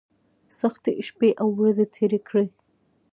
سختۍ شپې او ورځې تېرې کړې.